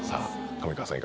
上川さん